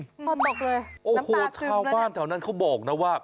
คอตกเลยน้ำตาซึมเลยนะโอ้โฮชาวบ้านแถวนั้นเขาบอกนะว่า